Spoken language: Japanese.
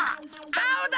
あおだ。